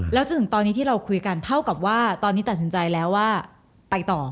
แล้วจนถึงตอนนี้ที่เราคุยกันเท่ากับว่าตอนนี้ตัดสินใจแล้วว่าไปต่อ